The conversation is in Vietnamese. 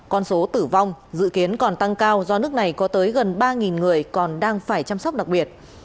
con số tử vong dự kiến còn tăng cao do nước này có tới gần ba người còn đang phải chăm sóc đặc biệt